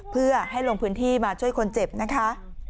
เพื่อให้ลงพื้นที่มาช่วยคนเจ็บนะคะ